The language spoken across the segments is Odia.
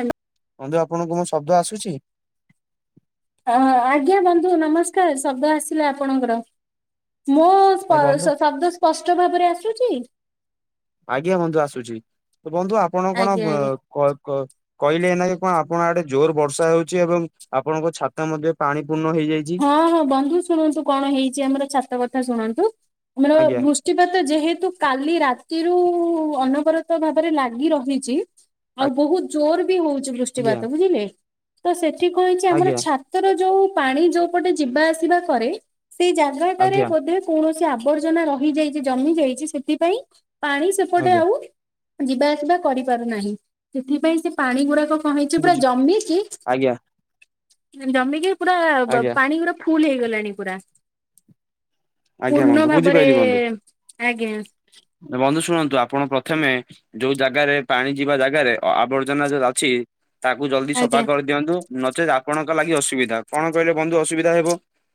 ହେଲୋ। ବନ୍ଧୁ ଆପଣଙ୍କୁ ମୋ ଶବ୍ଦ ଆସୁଛି? ହଁ ଅ, ଆଜ୍ଞା ବନ୍ଧୁ ନମସ୍କାର ଶବ୍ଦ ଆସିଲା ଆପଣଙ୍କର। ମୋ ନାଇଁ ଶ-ଶ- ବନ୍ଧୁ ଶବ୍ଦ ସ୍ପଷ୍ଟ ଭାବରେ ଆସୁଛି? ଆଜ୍ଞା ବନ୍ଧୁ ଆସୁଛି, ତ ବନ୍ଧୁ ଆପଣ କଣ ଆଜ୍ଞା ଆଜ୍ଞା। ବ-କ-କ କହିଲେ ନା କଣ ଆପଣ ଆଡେ ଜୋର ବର୍ଷା ହଉଛି ଏବଂ ଆପଣଙ୍କ ଛାତ ମଧ୍ୟ ପାଣି ପୂର୍ଣ୍ଣ ହେଇଯାଇ ହଁ, ହଁ ବନ୍ଧୁ ଶୁଣନ୍ତୁ କଣ ହେଇଛି ଆମର ଛାତ କଥା ଶୁଣନ୍ତୁ। ଆମର ଆଜ୍ଞା ବୃଷ୍ ଟିପାତ ଯେହେତୁ କାଲି ରାତିରୁ ଅନବରତ ଭାବରେ ଲାଗି ରହିଛି। ଆଉ ବହୁତ ଜୋର ବି ହଉଛି ବୃଷ୍ ଆଜ୍ଞା ଟିପାତ ବୁଝିଲେ, ତ ସେଠି କଣ ହେଇଛି ଆମର ଆଜ୍ଞା ଛାତର ଯୋଉ ପାଣି ଯୋ ଉପଟେ ଯିବା ଆସିବା କରେ ସେଇ ଜାଗାଟାରେ ଆଜ୍ଞା ବୋଧେ କୌଣସି ଆବର୍ଜନା ରହିଯାଇଚି ଜମି ଯାଇଛି ସେଥିପାଇଁ ପାଣି ସେପଟେ ଆଜ୍ଞା ଆଉ ଯିବା ଆସିବା କରିପାରୁନାହିଁ, ସେଥିପାଇଁ ସେ ପାଣି ଗୁଡାକ କଣ ହେଇଚି ପୁରା ବୁଝି ଜମି କି ଆଜ୍ଞା ଜମିକି ପୁରା ଆଜ୍ଞା ପାଣି ପୁରା ଫୁଲ ହେଇଗଲାଣି ପୁରା। ଆଜ୍ଞା ପୂର୍ଣ ବନ୍ଧୁ ଭାବରେ ଆଜ୍ଞା। ନା ବନ୍ଧୁ ଶୁଣନ୍ତୁ ଆପଣ ପ୍ରଥମେ ଯୋଉ ଜାଗାରେ ପାଣି ଯିବା ଜାଗାରେ ଆବର୍ଜନା ଯଉ ଅଛି ତାକୁ ଜଲଦି ସଫା ଆଜ୍ଞା କରିଦିଅନ୍ତୁ। ନଚେତ୍ ଆପଣଙ୍କ ଲାଗି ଅସୁବିଧା। କଣ କହିଲେ ବନ୍ଧୁ ଅସୁବିଧା ହେବ?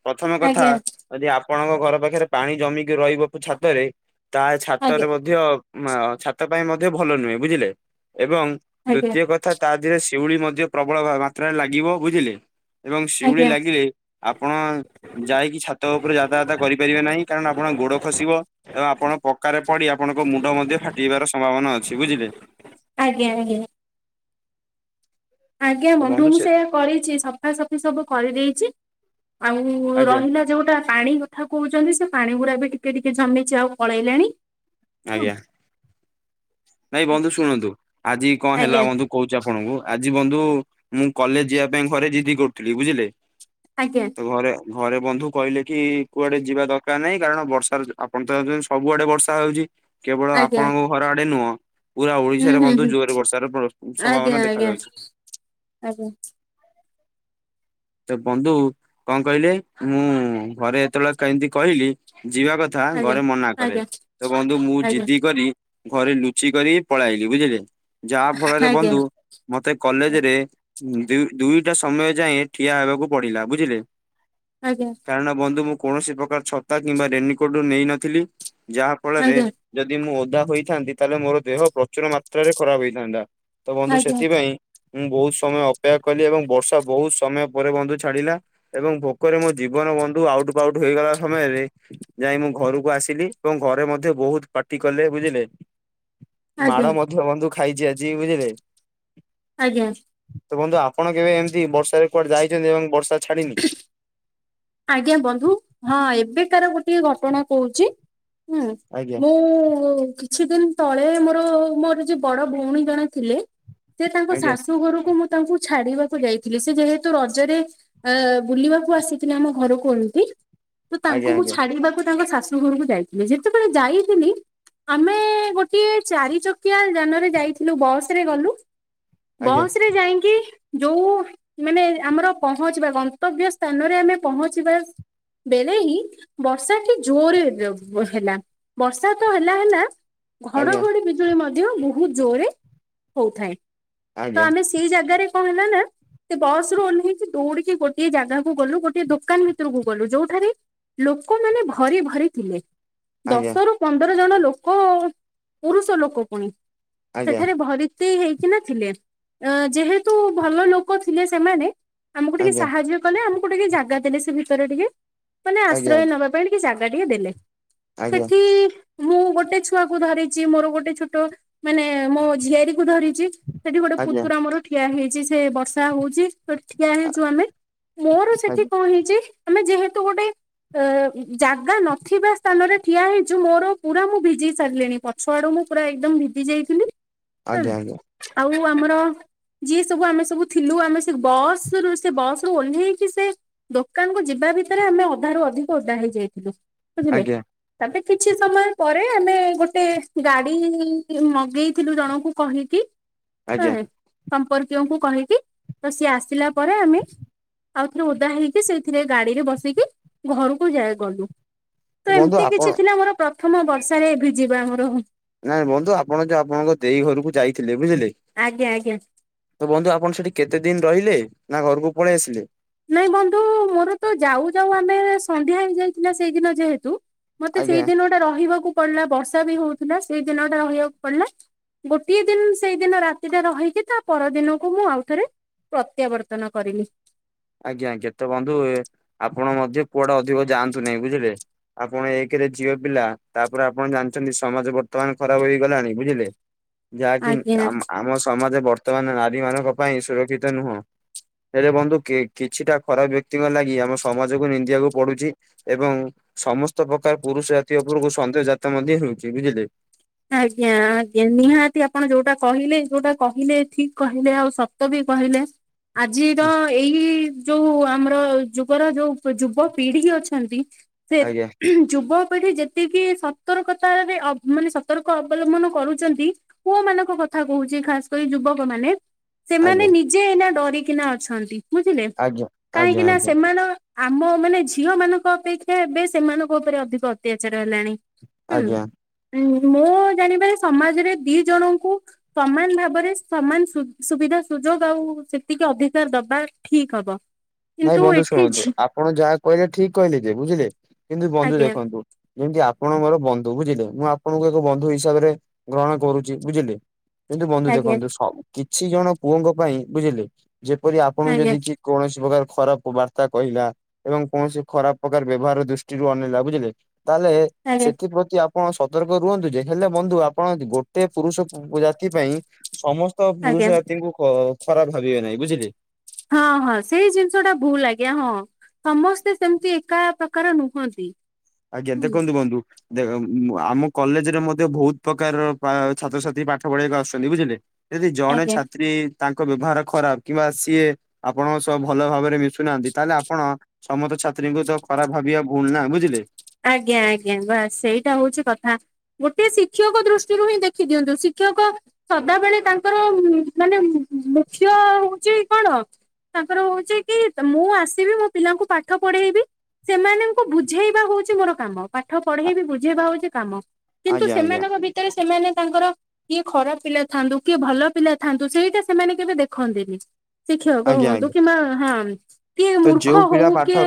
ପ୍ରଥମ କଥା ଆଜ୍ଞା ଯଦି ଆପଣଙ୍କ ଘର ପାଖରେ ପାଣି ଜମିକି ରହିବ ପ ଛାତରେ ତା ଛାତରେ ଆଜ୍ଞା ମଧ୍ୟ ମା ଆ ଛାତ ପାଇଁ ମଧ୍ୟ ଭଲ ନୁହେଁ ବୁଝିଲେ ଏବଂ ଆଜ୍ଞା ଦ୍ଵିତୀୟ କଥା ତା ଦେହରେ ଶିଉଳି ମଧ୍ୟ ପ୍ରବଳ ମା ମାତ୍ରାରେ ଲାଗିବ ବୁଝିଲେ? ଏବଂ ଶିଉଳି ଆଜ୍ଞା ଲାଗିଲେ ଆପଣ ଯାଇକି ଛାତ ଉପରେ ଗାଧାୟତା କରିପାରିବେ ନାହିଁ କାରଣ ଆପଣଙ୍କ ଗୋଡ ଖସିବ। ଏବଂ ଆପଣ ପକ୍କାରେ ପଡି ଆପଣଙ୍କ ମୁଣ୍ଡ ମଧ୍ୟ ଫାଟିଯିବାର ସମ୍ଭାବନା ଅଛି ବୁଝିଲେ। ଆଜ୍ଞା ଆଜ୍ଞା। ଆଜ୍ଞା ତ ବନ୍ଧୁ ମୁଁ ସେ ସେୟା କରିଚି। ସଫାସଫି ସବୁ କରିଦେଇଚି। ଆଉ ଆଜ୍ଞା ରହିଲା ଯୋଉଟା ପାଣି କଥା କହୁଚନ୍ତି ସେ ପାଣି ଗୁଡା ବି ଟିକେ ଟିକେ ଜମିଚି ଆଉ ପଳେଇଲାଣି। ହଁ ଆଜ୍ଞା। ନାଇଁ ବନ୍ଧୁ ଶୁଣନ୍ତୁ ଆଜି କଣ ହେଲା ଆଜ୍ଞା ବନ୍ଧୁ କହୁଚି ଆପଣଙ୍କୁ ଆଜି ବନ୍ଧୁ ମୁଁ କଲେଜ ଯିବା ପାଇଁ ଘରେ ଜିଦି କରୁଥିଲି ବୁଝିଲେ। ଆଜ୍ଞା। ତ ଘରେ ଘରେ ବନ୍ଧୁ କହିଲେ କି କୁଆଡେ ଯିବା ଦରକାର ନାହିଁ କାରଣ ବର୍ଷାର ଆପଣ ତ ଏ ଯେ ସବୁଆଡେ ବର୍ଷା ହଉଚି କେବଳ ଆଜ୍ଞା ଆପଣଙ୍କ ଘର ଆଡେ ନୁହଁ। ପୁରା ହୁଁ ଓଡିଶାରେ ହୁଁ ବନ୍ଧୁ ହୁଁ ଜୋରରେ ବର୍ଷାର ପ ଆଜ୍ଞା ସମ୍ଭାବନା ଆଜ୍ଞା ଦେଖାଯାଉଚି। ଆଜ୍ଞା। ତ ବନ୍ଧୁ କଣ କହିଲେ ମୁଁ ଘରେ ଯେତେବେଳେ କେମିତି କହିଲି ଯିବା କଥ ଥା ଆଜ୍ଞା ଘରେ ମନା କଲେ। ତ ବନ୍ଧୁ ମୁଁ ଆଜ୍ଞା ଜିଦି କରି ଘରେ ଲୁଚି କରି ପଳାଇଲି ବୁଝିଲେ। ଯାହା ଆଜ୍ଞା ଫଳରେ ବନ୍ଧୁ ଆଜ୍ଞା ମତେ କଲେଜରେ ଦୁ ଦୁଇଟା ସମୟ ଯାଏଁ ଠିଆ ହେବାକୁ ପଡିଲା ବୁଝିଲେ। ଆଜ୍ଞା। କାରଣ ବନ୍ଧୁ ମୁଁ କୌଣସି ପ୍ରକାର ଛତା କିମ୍ବା ରେନିକୋଟ ନେଇନଥିଲି। ଯାହା ଫଳରେ ଆଜ୍ଞା ଯଦି ମୁଁ ଓଦା ହୋଇଥାନ୍ତି ତାହେଲେ ମୋର ଦେହ ପ୍ରଚୁର ମାତ୍ରାରେ ଖରାପ ହେଇଥାନ୍ତା। ତ ବନ୍ଧୁ ଆଜ୍ଞା ସେଥିପାଇଁ ମୁଁ ବହୁତ ସମୟ ଅପେକ୍ଷା କଲି ଏବଂ ବର୍ଷା ବହୁତ ସ୍ ସମୟ ପରେ ବନ୍ଧୁ ଛାଡିଲା ଏବଂ ଭୋକରେ ମୋ ଜୀବନ ବନ୍ଧୁ ଆଉଟ ପାଉଟ ହେଇଗଲା ସମୟରେ ଯାଇ ମୁଁ ଘରୁକୁ ଆସିଲି ଏବଂ ଘରେ ମଧ୍ୟ ବହୁତ ପାଟି କଲେ ବୁଝିଲେ। ଆଜ୍ଞା ମାଡ଼ ମଧ୍ୟ୍ୟ ବନ୍ଧୁ ଖାଇଚି ଆଜି ବୁଝିଲେ। ଆଜ୍ଞା। ତ ବନ୍ଧୁ ଆପଣ କେବେ ଏମିତି ବର୍ଷାରେ କୁଆଡେ ଯାଇଚନ୍ତି ଏବଂ ବର୍ଷା ଛାଡିିନି? ଆଜ୍ଞା ବନ୍ଧୁ ହଁ ଏବେକାର ଗୋଟିଏ ଘଟଣା କହୁଚି। ହୁଁ ଆଜ୍ଞା ମୁଁ କିଛିଦିନି ତଳେ ମୋର ମୋର ଯଉ ବଡ ଭଉଣୀ ଜଣେ ଥିଲେ ସେ ତାଙ୍କ ଆଜ୍ଞା ଶାଶୁ ଘରକୁ ମୁଁ ତାଙ୍କୁ ଛାଡିବାକୁ ଯାଇଥିଲି। ସେ ଯେହେତୁ ରଜରେ ଏ ବୁଲିବାକୁ ଆସି ଥିଲେ ଆମ ଘରକୁ ଏନ୍ତି ତ ଆଜ୍ଞା ତାଙ୍କୁ ମୁଁ ଆଜ୍ଞା ଛାଡ଼ିବାକୁ ତାଙ୍କ ଶାଶୁ ଘରକୁ ଯାଇଥିଲି। ଯେତେବେଳେ ଯାଇଥିଲି ଆମେ ଗୋଟିଏ ଚାରି ଚକିଆ ଯାନରେ ଯାଇଥିଲୁ ବସ୍ ରେ ଗଲୁ। ଆଜ୍ଞା ବସରେ ଯାଇଙ୍କି ଯୋଉ ମାନେ ଆମର ପହଞ୍ଚିବା ଗନ୍ତବ୍ୟ ସ୍ଥାନରେ ଆମେ ପହଞ୍ଚିବା। ବେଳେ ହିଁ ବର୍ଷାଟି ଜୋରରେ ହେଲା। ବର୍ଷା ତ ହେଲା ହେଲା। ଆଜ୍ଞା ଘଡଘଡି ବିଜୁଳି ମଧ୍ୟ ବହୁତ ଜୋରରେ ହଉଥାଏ ଆଜ୍ଞା। ତ ଆମେ ସ- ସେଇ ଜାଗାରେ କଣ ଏଲା ନା ସେ ବସ ରୁ ଓହ୍ଲେଇକି ଦୌଡିକି ଗୋଟଏ ଜାଗାକୁ ଗଲୁ ଗୋ ଟେ ଦୋକାନ ଭିତରକୁ ଗଲୁ ଯୋଉଠାରେ ଲୋକମାନେ ଭରି ଭରି ଥିଲେ ଆଜ୍ଞା ଦଶରୁ ପନ୍ଦର ଜଣ ଲୋକ ପୁରୁଷ ଲୋକ ପୁଣି ଆଜ୍ଞା ସେଠାରେ ଭରି ଭର୍ତ୍ତି ହେଇକିନା ଥିଲେ ଏ ଯେହେତୁ ଭଲ ଲୋକ ଥିଲେ ସେମାନେ ଆମକୁ ଟିକେ ଆଜ୍ଞା ସାହାଯ୍ୟ କଲେ ଆମକୁ ଟିକେ ଜାଗା ଦେଲେ ସେ ଭିତରେ ଟିକେ ମାନେ ଆଶ୍ରୟ ଆଜ୍ଞା ନବା ପାଇଁ। ଜାଗା ଟିକେ ଦେଲେ ଆଜ୍ଞା ସେଠି। ମୁଁ ଗୋଟେ ଛୁଆକୁ ଧରିଛି ମୋର ଗୋଟେ ଛୋଟ ମାନେ ମୋ ଝିଆରୀ କୁ ଧରିଛି। ସେଠି ଗୋଟେ ଆଜ୍ଞା ପୁତୁରା ଆମର ଠିଆ ହେଇଛି ସେ ବର୍ଷା ହଉଛି। ଠିଆ ଆ- ହେଇଛୁ ଆମେ ମୋର ସେଠି ଆଜ୍ଞା କଣ ହେଇଛି ଆମେ ଯେହେତୁ ଗୋଟେ ଅ ଜାଗା ନଥିବା ସ୍ଥାନରେ ଠିଆ ହେଇଛି ମୋର ପୁରା ମୁଁ ଭିଜିଇ ସାରିଲିଣି ପଛଆଡୁ ମୁଁ ପୁରା ଏକଦମ ଭିଜି ଯାଇଥିଲି। ଆଜ୍ଞା ଆଜ୍ଞା ଆଉ ଆମର ଯିଏ ସବୁ ଆମେ ସବୁ ଥିଲୁ ଆମେ ସେ ବସ ରୁ ସେ ବସ ରୁ ଓହ୍ଲେଇକି ସେ ଦୋକାନ କୁ ଯିବା ଭିତରେ ଆମେ ଅଧାରୁୁ ଅଧିକ ଓଧା ହେଇଯାଇଥିଲୁ ବୁଝିଲେ? ଆଜ୍ଞା ତାପରେ କିଛି ସମୟ ପରେ ଆମେ ଗୋଟେ ଗାଡି ମଗେଇଥିଲୁ ଜଣଙ୍କୁ କହିକି। ଆଜ୍ଞା ହଁ। ସମ୍ପର୍କୀୟଙ୍କୁ କହିକି ତ ସିଏ ଆସିଲା ପରେ ଆମେ ଆଉଥରେ ଓଦା ହେଇକି ସେଇଥିରେ ଗାଡିରେ ବସିକି ଘରକୁ ଯାଇ ଗଲୁ ତ ବନ୍ଧୁ ଏମିତି ଆପଣ କିଛି ଥିଲା ମୋର ପ୍ରଥମ ବର୍ଷାରେ ଭିଜିବା ମୋର ନାଇଁ ବନ୍ଧୁ ଆପଣ ଯୋଉ ଆପଣଙ୍କ ଦେଇ ଘରକୁ ଯାଇଥିଲେ ବୁଝିଲେ? ଆଜ୍ଞା ଆଜ୍ଞା। ତ ବନ୍ଧୁ ଆପଣ ସେଠି କେତେ ଦିନ ରହିଲେ ନା ଘରକୁ ପଳେଇ ଆସିଲେ? ନାଇଁ ବନ୍ଧୁ ମୋର ତ ଯାଉ ଯାଉ ଆମେ ସନ୍ଧ୍ୟା ହେଇ ଯାଇଥିଲା ସେଇଦିନ ଯେହେତୁ ମତେ ଆଜ୍ଞା ସେଇଦିନ ଗୋଟେ ରହିବାକୁ ପଡିଲା ବର୍ଷା ବି ହଉଥିଲା ସେଇ ଦିନଟା ରହିବାକୁ ପଡିଲା। ଗୋଟିଏ ଦିନ ସେଇଦିନ ରାତିଟା ରହିଛିି ତା ପର ଦିନକୁ ମୁଁ ଆଉଥରେ ପ୍ରତ୍ୟାବର୍ତ୍ତନ କରିଲି। ଆଜ୍ଞା ଆଜ୍ଞା ତ ବନ୍ଧୁ ଆପଣ ମଧ୍ୟ କୁଆଡେ ଅଧିକ ଯାଆନ୍ତୁ ନାହିଁ ବୁଝିଲେ? ଆପଣ ଏକରେ ଝିଅ ପିଲା ତାପରେ ଆପଣ ଜାଣିଛନ୍ତି ସମାଜ ବର୍ତ୍ତମାନ ଖରାପ ହେଇଗଲାଣି ବୁଝିଲେ? ଯାହାକି ଆଜ୍ଞା। ଆମ ସମାଜରେ ବର୍ତ ବର୍ତ୍ତମାନ ନାରୀ ମାନଙ୍କ ପାଇଁ ସୁରକ୍ଷିତ ନୁହଁ ହେଲେ ବନ୍ଧୁ କି କିଛିଟା ଖରାପ ବ୍ୟକ୍ତିଙ୍କ ଲାଗି ଆମ ସମାଜକୁ ନିନ୍ଦିବାକୁ ପଡୁଛି। ଏବଂ ସମସ୍ତ ପ୍ରକାର ପୁରୁଷ ଜାତୀୟ ଉପରକୁ ସନ୍ଦେହଜାତ ମଧ୍ୟ ହେଉଛି ବୁଝିଲେ? ଆଜ୍ଞା ଆଜ୍ଞା ନିହାତି ଆପଣ ଯୋଉଟା କହିଲେ ଯୋଉଟା କହିଲେ ଠିକ କହିଲେ ଆଉ ସତ ବି କହିଲେ ଆଜିର ଏଇ ଯୋଉ ଆମର ଯୁଗର ଯୋଉ ଯୁବପିଢି ଅଛନ୍ତି ସେ ଆଜ୍ଞା ଯୁବପିଢ଼ି ଯେତିକି ସତର୍କତାରେ ଅ ସତର୍କ ସତର୍କ ଅବଲମ୍ବନ କରୁଛନ୍ତି ପୁଅ ମାନଙ୍କ କଥା କହୁଛି ଖାସ କରି ଯୁବକ ମାନେ ସେମାନେ ଆଜ୍ଞା ନିଜେ ଏଇନା ଡରିକିନା ଅଛନ୍ତି ବୁଝିଲେ ଆଜ୍ଞା ଆଜ୍ଞା କାହିଁକିନା ଆଜ୍ଞା ସେମାନେ ଆମ ମାନେ ଝିଅ ମାନଙ୍କ ଅପେକ୍ଷା ଏବେ ସେମାନଙ୍କ ଉପରେ ଅଧିକ ଅତ୍ୟାଚାର ହେଲାଣି। ହୁଁ ଆଜ୍ଞା। ମୁଁ ଜାଣିବାରେ ସମାଜରେ ଦି ଜଣଙ୍କୁ ସମାନ ଭାବରେ ସମାନ ସୁ ସୁବିଧା ସୁଯୋଗ ଆଉ ସେତିକି ଅଧିକାର ଦବା ଠିକ୍ ହବ। ନାଇଁ କିନ୍ତୁ ବନ୍ଧୁ ଏଠି ଶୁଣନ୍ତୁ ଝି ଆପଣ ଯାହା କହିଲେ ଠିକ କହିଲେ ଯେ ବୁଝିଲେ କିନ୍ତୁ ବନ୍ଧୁ ଆଜ୍ଞା ଦେଖନ୍ତୁ ଯେମିତି ଆପଣ ମୋର ବନ୍ଧୁ ବୁଝିଲେ ମୁଁ ଆପଣଙ୍କୁ ଏକ ବନ୍ଧୁ ହିସାବରେ ଗ୍ରହଣ କରୁଛି ବୁଝିଲେ। କିନ୍ତୁ ବନ୍ଧୁ ଆଜ୍ଞା ଦେଖନ୍ତୁ ସ କିଛି ଜଣ ପୁଅଙ୍କ ପାଇଁ ବୁଝିଲେ ଯେପରି ଆପଣଙ୍କୁ ଆଜ୍ଞା ଯଦି କି କୌଣସି ପ୍ରକାର ଖରାପ ବାର୍ତ୍ତା କହିଲା ଏବଂ କୌଣସି ଖରାପ ପ୍ରକାର ବ୍ୟବହାର ଦୃଷ୍ଟିରୁ ଅନେଇଲା ବୁଝିଲେ। ତାହେଲେ ଆଜ୍ଞା ସେଥିପ୍ରତି ଆ ଆପଣ ସତର୍କ ରୁହନ୍ତୁ ଯେ ହେଲେ ବନ୍ଧୁ ଆପଣ ଗୋଟେ ପୁରୁଷ ଜାତି ପାଇଁ ସମସ୍ତ ତ ପୁରୁଷ ଆଜ୍ଞା ଜାତିଙ୍କୁ ଖରାପ ଭାବିବେ ନାହିଁ ବୁଝିଲେ। ହଁ ହଁ ସେଇ ଜିନିଷ ଟା ଭହୁଲ ଆ୍ଞା ହଁ। ସମସ୍ତେ ସେମିତି ଏକା ପ୍ରକାର ନୁହନ୍ତି। ଆଜ୍ଞା ହୁଁ ଦେଖନ୍ତୁ ବନ୍ଧୁ ଦେଖ ଆମ କଲେଜରେ ମଧ୍ୟ ବହୁତ ପ୍ରକାରର ଛାତ୍ରଛାତ୍ରୀ ପାଠ ପଢବାକୁ ଆସୁଛନ୍ତି ବୁଝିଲେ ଯଦି ଜଣେ ଆଜ୍ଞା ଛାତ୍ରୀ ତାଙ୍କ ବ୍ୟବହାର ଖରାପ କିମ୍ବା ସିଏ ଆପଣଙ୍କ ସହ ଭଲ ଭାବରେ ମିଶୁନାହାନ୍ତି ତାହେଲେ ଆପଣ ସମସ୍ତ ଛାତ୍ରୀଙ୍କୁ ତ ଖରାପ ଭାବିବା ଭୁଲ ନା ବୁଝିଲେ। ଆଜ୍ଞା ଆଜ୍ଞା ବାସ୍ ସେଇଟା ହଉଛି କଥା। ଗୋଟେ ଶିକ୍ଷକ ଦୃଷ୍ଟିରୁ ହିଁ ଦେଖି ଦିଅନ୍ତୁ ଶିକ୍ଷକ ସଦାବେଳେ ତାଙ୍କର ମାନେ ମୁଖ୍ୟ ହଉଛି କଣ ତାଙ୍କର ହଉଛି କି ମୁଁ ଆସିବି ମୋ ପିଲାଙ୍କୁ ପାଠ ପଢେଇବି ସେମାନଙ୍କୁ ବୁଝେଇବା ହଉଛି ମୋର କାମ ପାଠ ଆ ପଢେଇ ବି ବୁଝେଇବାଉଛି କାମ କିନ୍ତୁ ଆଜ୍ଞା ଆଜ୍ଞା ସେମାନଙ୍କ ଭିତରେ ସେମାନେ ତାଙ୍କର କିଏ ଖରାପ ପିଲା ଥାନ୍ତୁ କିଏ ଭଲ ପିଲା ଥାନ୍ତୁ ସେଇଟା ସେମାନେ କେବେ ଦେଖନ୍ତିନି। ଶିକ୍ଷକ ଆଜ୍ଞା ହୁଅନ୍ତୁ ଆଜ୍ଞା କିମ୍ବା ହଁ କିଏ ତ ମୂର୍ଖ ଯୋଉ ହଉ ପିଲା ପାଠ କିଏ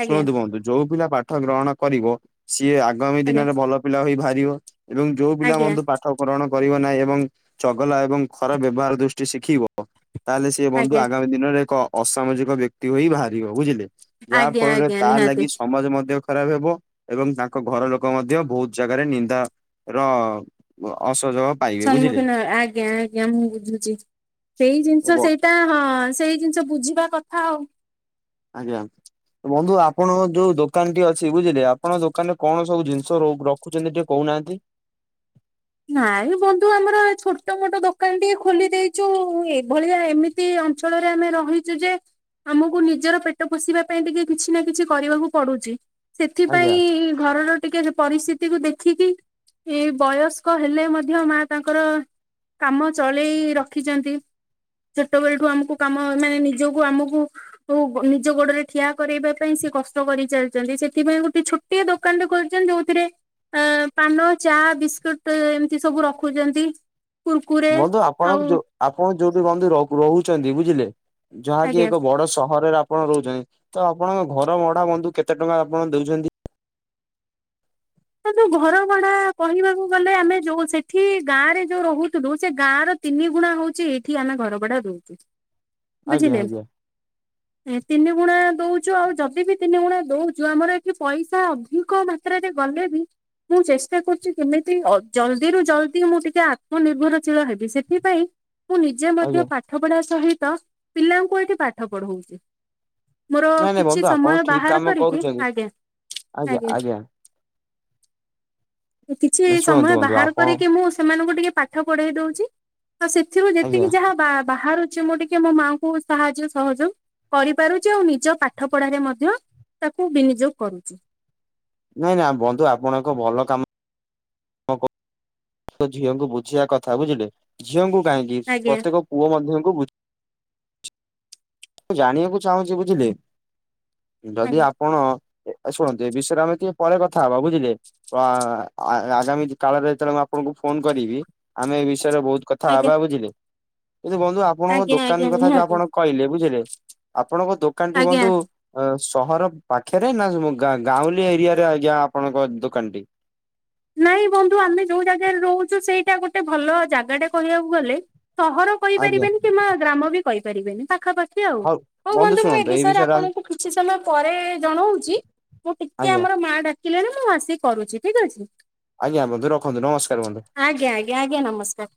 ଆଜ୍ଞା ଶୁଣନ୍ତୁ କୁହନ୍ତୁ ଯୋଉ ପିଲା ପାଠ ଗ୍ରହଣ କରିବ ସିଏ ଆଗାମୀ ଆଜ୍ଞା ଦିନରେ ଭଲ ପିଲା ହୋଇ ବାହାରିବ ଏବଂ ଯୋଉ ପିଲା ଆଜ୍ଞା ପା ପରଣ କରିବ ନାହିଁ ଏବଂ ଚଗଲା ଏବଂ ଖରାପ ବ୍ୟବହାର ଦୃଷ୍ଟି ଶିଖିବ ତାହେଲେ ସେ ବନ୍ଧୁ ଆଜ୍ଞା। ଆଗାମୀ ଦିନରେ ଏକ ଅସାମାଜିକ ବ୍ୟକ୍ତି ହୋଇ ବାହାରିବ ବୁଝିଲେ। ଯାହା ଆଜ୍ଞା ଫଳରେ ଆଜ୍ଞା ତା ନିହାତି ଲାଗି ସମାଜ ମଧ୍ୟ ଖରାପ ହେବ ଏବଂ ତାଙ୍କ ଘର ଲୋକ ମଧ୍ୟ ବହୁତ ଜାଗାରେ ନିନ୍ଦା ର ଅସଯବ ସମ୍ମୁଖୀନ ଆଜ୍ଞା ଆଜ୍ଞା ମୁଁ ବୁଝୁଛି ସେଇ ଜିନିଷ ଏବଂ ସେଇଠ ତା ହଁ ସେଇ ଜିନିଷ ବୁଝିବା କଥା ଆଉ। ଆଜ୍ଞା। ବନ୍ଧୁ ଆପଣଙ୍କ ଯୋଉ ଦୋକାନ ଟି ଅଛି ବୁଝିଲିେ ଆପଣ ଦୋକାନରେ କଣ ସବୁ ଜିନିଷ ରଖୁଛନ୍ତି ଟିକେ କହୁନାହାନ୍ତି? ନାଇଁ ବନ୍ଧୁ ଆମର ଛୋଟ ମୋଟ ଦୋକାନ ଟିକେ ଖୋଲି ଦେଇଛୁ ଏଭଳିଆ ଏମିତି ଅଞ୍ଚଳରେ ଆମେ ରହିଛୁ ଯେ ଆମକୁ ନିଜର ପେଟ ପୋଷିବା ପାଇଁ ଟିକେ କିଛି ନା କିଛି କରିବାକୁ ପଡୁଛି। ଆଜ୍ଞା ସେଥିପାଇଁ ଘରର ଟିକେ ପରିସ୍ଥିତିକୁ ଦେଖିକି ଏ ବୟସ ହେଲେ ମଧ୍ୟ ମା ତାଙ୍କର କାମ ଚଳେଇ ରଖିଛନ୍ତି। ଛୋଟବେଳଠୁ ଆମକୁ କାମ ମାନେ ନିଜକୁ ଆମକୁ ତ ନିଜ ଗୋଡରେ ଠିଆ କରାଇବା ପାଇଁ ସେ କଷ୍ଟ କରିଚାଲିଛନ୍ତି ସେଥିପାଇଁ ଗୋଟେ ଛୋଟ ଗୋଟିଏ ଦୋକାନ ରେ ଖୋଲିଛନ୍ତି ଯୋଉଥିରେ ପାନ ଚା ବିସ୍କୁଟ ତ ଏମିତି ସବୁ ରଖୁଛନ୍ତି। କୁୁରକୁରେ ମୁଁ ତ ଆଉ ଆପଣଙ୍କୁ ଆପଣ ଯୋଉଠି ବନ୍ଧୁ ରହୁ ରହୁଛନ୍ତି ବୁଝିଲେ ଯାହାକି ଆଜ୍ଞା। ଏକ ବଡ ସହରରେ ଆପ ଆପଣ ରହୁଛନ୍ତି ତ ଆପଣଙ୍କ ଘର ଭଢା ବନ୍ଧୁ କେତେ ଟଙ୍କା ଆପଣ ଦଉଛନ୍ତି? ବନ୍ଧୁ ଘର ଭଡା କହିବାକୁ ଗଲେ ଆମେ ଯୋଉ ସେଠି ଗାଁରେ ଯୋଉ ରହୁଥିଲୁ ସେ ଗାଁର ତିନି ଗୁଣା ହଉଛି ଏଠି ଆମେ ଘର ଭଡା ଦହୁଛୁ ଆଜ୍ଞା ବୁଝିଲେ। ଆଜ୍ଞା ଏ ତିନି ଗୁଣା ଦଉଛୁ ଆଉ ଯଦି ବି ତିନି ଗୁଣା ଦଉଚୁ ଆମର ଏଠି ପଇସା ଅଧିକ ମାତ୍ରାରେ ଗଲେବି ମୁଁ ଚେଷ୍ଟା କରୁଚି କେମିତି ଅ ଜଲ୍ଦିରୁୁ ଜଲ୍ଦି ମୁଁ ଟିକେ ଆତ୍ମନିର୍ଭରଶୀଳ ହେବି ସେଥିପାଇଁ ମୁଁ ନିଜେ ମଧ୍ୟ ଆଜ୍ଞା। ପାଠ ପଢାସହିତ ପିଲାଙ୍କୁ ଏଠି ପାଠ ପଢଉଛି। ମୋର ନାଇଁ ନାଇଁ କିଛି ବନ୍ଧୁ ଆପଣ ସମୟ ଠିକ ବାହାର କାମ କରିକି କରୁଛନ୍ତି ଆଜ୍ଞା ଆଜ୍ଞା। କିଛି ଶୁଣନ୍ତୁ ସମୟ ବନ୍ଧୁ ବାହାର ଆପଣ କରିକି ମୁଁ ସେମାନଙ୍କୁ ଟିକେ ପାଠ ପଢେଇ ଦଉଚି। ଆଉ ସେଥିରୁ ଆଜ୍ଞା ଯେତିକି ଯାହା ବା ବାହାରୁଛି ମୁଁ ଟିକେ ଇଏ ମୋ ମାଙ୍କୁ ସାହାଯ୍ୟ ସହଯୋଗ କରିପାରୁଚି ଆଉ ନିଜ ପାଠ ପଢାରେ ମଧ୍ୟ ତାକୁ ବିନିଯୋଗ କରୁଚି। ନାଇଁ ନାଇଁ ବନ୍ଧୁ ଆପଣଙ୍କ ଭଲ କାମ ତ ଝିଅଙ୍କୁ ବୁଝିବା କଥା ବୁଝିଲେ ଝିଅଙ୍କୁ କାହିଁକି ଆଜ୍ଞା ପ୍ରତ୍ୟେକ ପୁଅ ମଧ୍ୟଙ୍କୁ ବୁଝି ମୁଁ ଜାଣିବାକୁ ଚାହୁଁଛି ବୁଝିଲେ ଯଦି ଆଜ୍ଞା ଆପ କଣ ଏ ଶୁଣ ଯେ ବିଷୟରେ ଆମେ ଟିକେ ପରେ କଥାହବା ବୁଝିଲେ। କ ଆ ଆ ଆଗାମୀ କାଳରେ ଯେତେବେଳେ ମୁଁ ଆପଣଙ୍କୁ ଫୋନ କରିବି ଆମେ ଏଇ ବିଷୟରେ ବହୁତ ଆଜ୍ଞା କଥାହବା ବୁଝିଲେ କିନ୍ତୁ ବନ୍ଧୁ ଆପଣଙ୍କ ଆଜ୍ଞା ଦୋକାନ ଆଜ୍ଞା କଥା ଯୋଉ ନିହାତି ଆପଣ କହିଲେ ବୁଝିଲେ ଆପଣଙ୍କ ଦୋକାନଟି ଆଜ୍ଞା ବନ୍ଧୁ ଅଁ ସହର ପାଖେରେ ନା ଗାଉଁଲି ଏରିଆରେ ଆଜ୍ଞା ଆପଣଙ୍କ ଦୋକାନଟି। ନାଇଁ ବନ୍ଧୁ ଆମେ ଯୋଉ ଜାଗାରେ ରହୁଚୁ ସେଇଟା ଗୋଟେ ଭଲ ଜାଗାଟେ କହିବାକୁ ଗଲେ ସହର ଆଜ୍ଞା କହିପାରିବେନି କିମ୍ବା ଗ୍ରାମବି କହିପାରିବେନି ପାଖାପାଖି। ଇଏ ଆଉ ହଉ ବନ୍ଧୁ ମୁଁ ଏ ବିଷୟରେ ଆପଣଙ୍କୁ କିଛି ସମୟ ପରେ ଜଣଉଚି। ମୁଁ ଟିକେ ଆଜ୍ଞା ଆମର ମା ଡାକିଲେଣି ମୁଁ ଆସିକି କରୁଚି ଠିକ ଅଛି। ଆଜ୍ଞା ବନ୍ଧୁ ରଖନ୍ତୁ ନମସ୍କାର ବନ୍ଧୁ। ଆଜ୍ଞ ଆଜ୍ଞା ଆଜ୍ଞା ନମସ୍କାର।